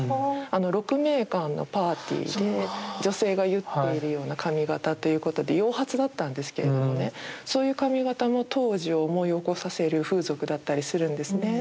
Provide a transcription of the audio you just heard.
鹿鳴館のパーティーで女性が結っているような髪型ということで洋髪だったんですけれどもねそういう髪型も当時を思い起こさせる風俗だったりするんですね。